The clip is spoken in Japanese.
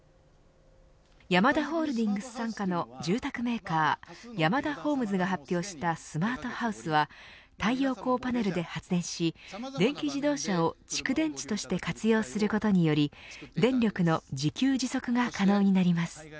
ヤマダホールディングス傘下の住宅メーカーヤマダホームズが発表したスマートハウスは太陽光パネルで発電し電気自動車を蓄電池として活用することにより電力の自給自足が可能になります。